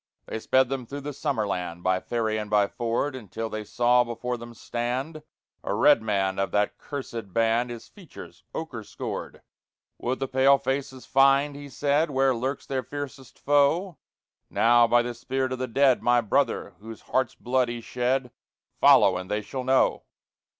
They sped them through the summer land By ferry and by ford, Until they saw before them stand A redman of that cursèd band, His features ochre scored. Would the pale faces find, he said, _Where lurks their fiercest foe? Now, by the spirit of the dead, My brother, whose heart's blood he shed, Follow, and they shall know!